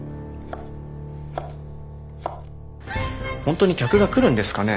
本当に客が来るんですかね